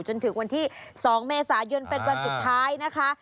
จนถึงวันที่๒เมษายนเป็นวันสุดท้ายนะคะ